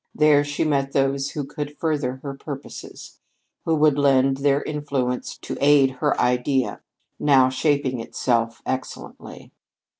There she met those who could further her purposes who could lend their influence to aid her Idea, now shaping itself excellently.